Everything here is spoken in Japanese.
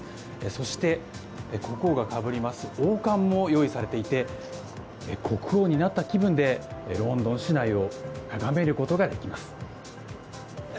そして、国王がかぶります王冠も用意されていて国王になった気分でロンドン市内を眺めることができます。